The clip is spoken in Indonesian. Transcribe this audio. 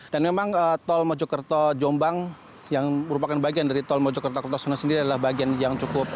dan memang tol mojokerto jombang yang merupakan bagian dari tol mojokerto kertosono sendiri adalah bagian yang cukup berat